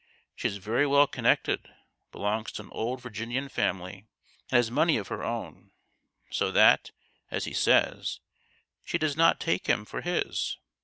She is very well connected belongs to an old Virginian family and has money of her own, so that, as he says, she does not take him for his.